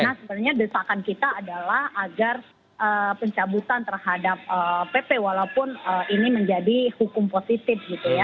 karena sebenarnya desakan kita adalah agar pencabutan terhadap pp walaupun ini menjadi hukum positif gitu ya